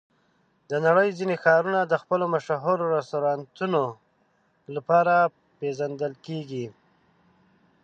د نړۍ ځینې ښارونه د خپلو مشهور رستورانتونو لپاره پېژندل کېږي.